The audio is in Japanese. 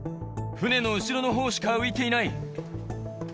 船の後ろのほうしか浮いていない。